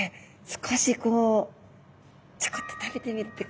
少しこうちょこっと食べてみるって。